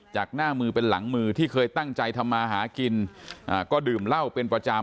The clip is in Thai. จากหน้ามือเป็นหลังมือที่เคยตั้งใจทำมาหากินก็ดื่มเหล้าเป็นประจำ